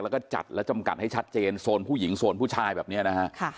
แล้วก็จัดและจำกัดให้ชัดเจนโซนผู้หญิงโซนผู้ชายแบบนี้นะฮะ